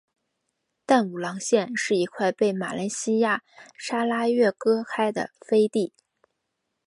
淡武廊县是一块被马来西亚砂拉越割开的飞地。